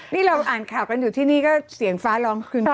นี่เราอ่านข่าวกันอยู่ที่นี่ก็เสียงฟ้าร้องคืน